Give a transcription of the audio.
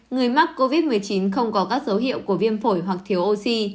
người mắc covid một mươi chín không có các dấu hiệu của viêm phổi hoặc thiếu oxy